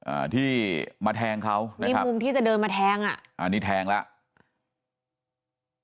อ่าที่มาแทงเขานะนี่มุมที่จะเดินมาแทงอ่ะอันนี้แทงแล้ว